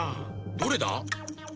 どれだ？